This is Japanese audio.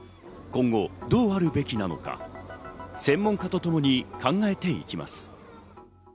今後どうあるべきなのか、専門家とともに考えていきます。